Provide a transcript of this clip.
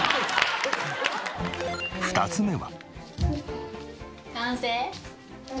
２つ目は。